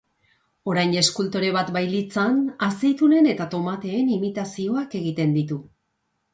Orain eskultore bat bailitzan azeitunen eta tomateen imitazioak egiten ditu.